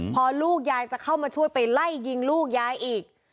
พอลูกยายจะเข้ามาช่วยไปไล่ยิงลูกยายอีก